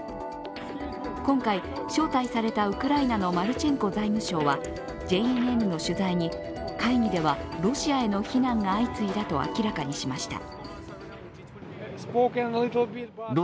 今回、招待されたウクライナのマルチェンコ財務相はＪＮＮの取材に、会議ではロシアへの非難が相次いだと明らかにしました。